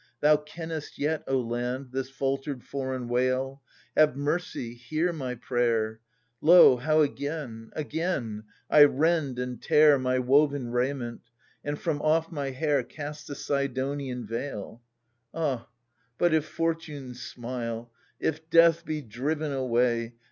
Thou kennest yet, O land, this faltered foreign wail — Have mercy, hear my prayer ! I^o, how again, again, I rend and tear My woven raiment, and from off my hair Cast the Sidonian veil ! f*fo Ah, but if fortune smile, if death be driven away.